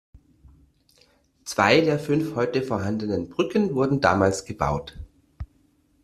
Zwei der fünf heute vorhandenen Brücken wurden damals gebaut.